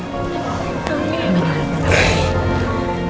amanya roh banget